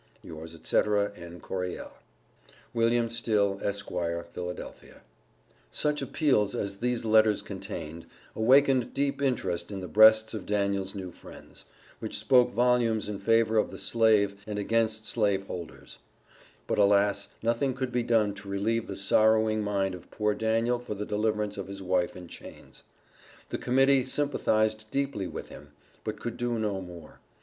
Yours, &c., N. CORYELL. WM. STILL, Esq., Phila. Such devotion to freedom, such untiring labor, such appeals as these letters contained awakened deep interest in the breasts of Daniel's new friends, which spoke volumes in favor of the Slave and against slave holders. But, alas, nothing could be done to relieve the sorrowing mind of poor Daniel for the deliverance of his wife in chains. The Committee sympathized deeply with him, but could do no more.